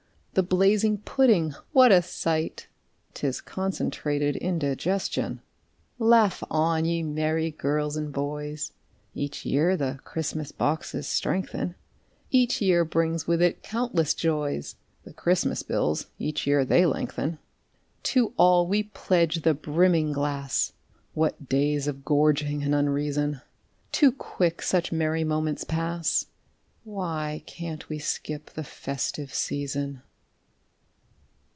) The blazing pudding what a sight! ('Tis concentrated indigestion!_) Laugh on, ye merry girls and boys! (Each year the Christmas boxes strengthen,) Each year brings with it countless joys; (The Christmas bills each year they lengthen.) To all we pledge the brimming glass! (What days of gorging and unreason!) Too quick such merry moments pass (_Why can't we skip the "festive season"?